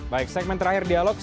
baik segmen terakhir dialog